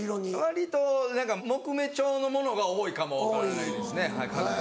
割と木目調のものが多いかも分からないですね家具とか。